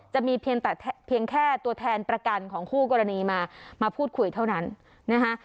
จะมีเพียงแต่เพียงแค่ตัวแทนประกันของคู่กรณีมามาพูดคุยเท่านั้นนะคะ